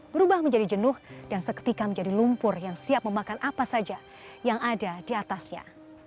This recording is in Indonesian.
berubah menjadi jenuh dan seketika menjadi lumpur yang siap memakan apa saja yang ada di atasnya